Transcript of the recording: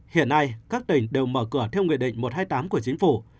hiện nay các tỉnh đều mở cửa theo nghị định một trăm hai mươi tám của chính phủ